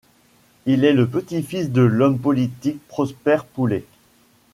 Il est le petit-fils de l'homme politique Prosper Poullet.